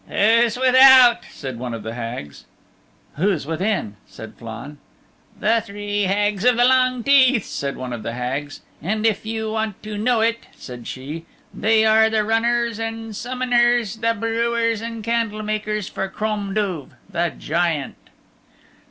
"Who's without?" said one of the Hags. "Who's within?" said Flann. "The Three Hags of the Long Teeth," said one of the Hags, "and if you want to know it," said she, "they are the runners and summoners, the brewers and candle makers for Crom Duv, the Giant."